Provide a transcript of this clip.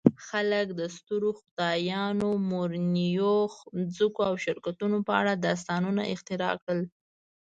خلک د سترو خدایانو، مورنیو ځمکو او شرکتونو په اړه داستانونه اختراع کړل.